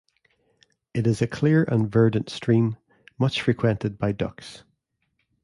It is a clear and verdant stream, much frequented by ducks.